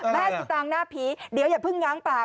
แม่สิตางหน้าผีเดี๋ยวอย่าพึ่งง้างปาก